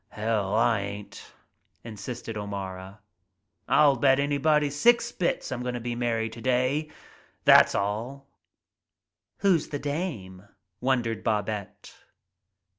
\ "Hell I ain't," insisted O'Mara. "I'll bet an'body six bits I'm goin' t' be married today. Thass all." "Who's the dame?" wondered Babette.